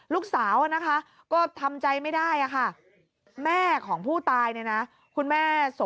ลูกสาวนะคะก็ทำใจไม่ได้ค่ะ